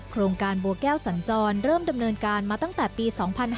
โครงการบัวแก้วสัญจรเริ่มดำเนินการมาตั้งแต่ปี๒๕๕๙